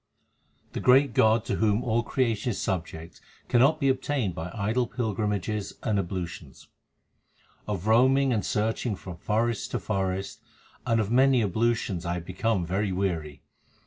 The great God to whom all creation is subject cannot be obtained by idle pilgrimages and ablu tions : Of roaming and searching from forest to forest and of many ablutions 1 I have become very weary.